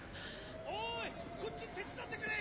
おいこっち手伝ってくれ！